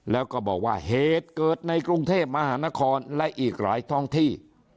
แล้วก็บอกว่าเหตุเกิดในกรุงเทพมหานครและอีกหลายท้องที่